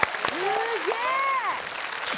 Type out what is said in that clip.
すげえ！